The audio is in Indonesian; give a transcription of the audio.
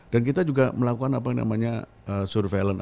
dan kita juga melakukan apa namanya surveillance